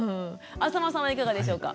淺間さんはいかがでしょうか？